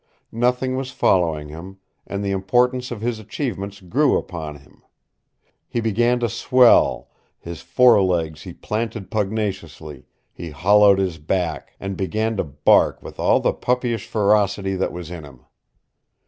Nothing was following him, and the importance of his achievements grew upon him. He began to swell; his fore legs he planted pugnaciously, he hollowed his back, and began to bark with all the puppyish ferocity that was in him.